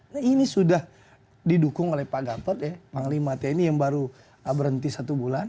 nah ini sudah didukung oleh pak gatot ya panglima tni yang baru berhenti satu bulan